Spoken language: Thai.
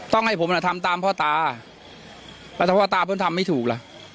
ให้ผมทำตามพ่อตาแล้วถ้าพ่อตาเพิ่งทำไม่ถูกล่ะ